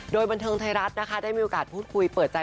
โดยบันเทิงไทยรัฐนะคะได้มีโอกาสพูดคุยเปิดใจ